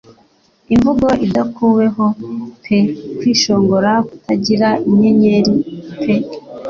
Imvugo idakuweho pe kwishongora kutagira inyenyeri pe